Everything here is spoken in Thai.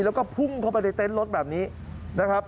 แล้วก็พุ่งเข้าไปในเต็นต์รถแบบนี้นะครับ